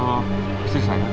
ikoh istri saya kenapa dia